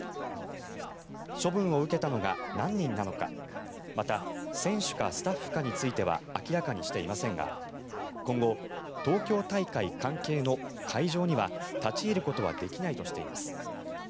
処分を受けたのが何人なのかまた選手かスタッフかについては明らかにしていませんが今後、東京大会関係の会場には立ち入ることはできないとしています。